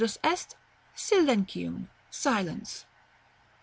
Silencium. Silence.